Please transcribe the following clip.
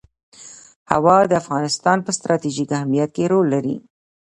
هوا د افغانستان په ستراتیژیک اهمیت کې رول لري.